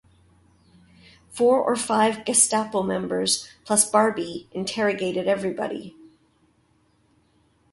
Four or five Gestapo members plus Barbie interrogated everybody.